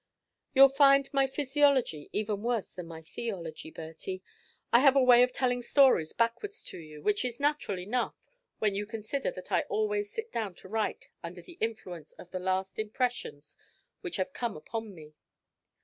You'll find my physiology even worse than my theology, Bertie. I have a way of telling stories backwards to you, which is natural enough when you consider that I always sit down to write under the influence of the last impressions which have come upon me.